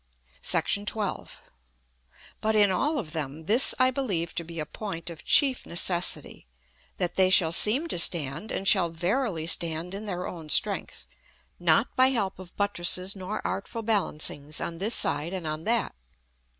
§ XII. But, in all of them, this I believe to be a point of chief necessity, that they shall seem to stand, and shall verily stand, in their own strength; not by help of buttresses nor artful balancings on this side and on that.